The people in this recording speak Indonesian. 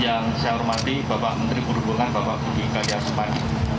yang saya hormati bapak menteri perhubungan bapak bukit kalian sepan